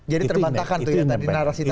jadi terbantahkan itu ya narasi tadi ya